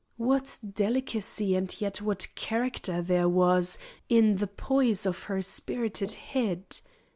What delicacy, and yet what character there was in the poise of her spirited head!